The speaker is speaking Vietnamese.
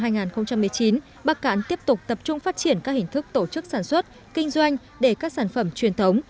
năm hai nghìn một mươi chín bắc cạn tiếp tục tập trung phát triển các hình thức tổ chức sản xuất kinh doanh để các sản phẩm truyền thống